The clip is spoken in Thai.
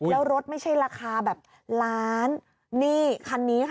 แล้วรถไม่ใช่ราคาแบบล้านนี่คันนี้ค่ะ